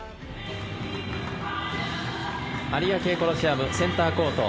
有明コロシアムセンターコート。